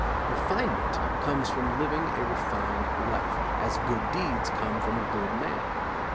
Refinement comes from living a refined life, as good deeds come from a good man.